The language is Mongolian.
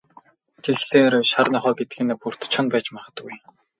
Тэгэхээр, шар нохой гэдэг нь Бөртэ Чоно байж магадгүй.